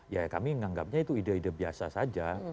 ya kami menganggapnya itu ide ide biasa saja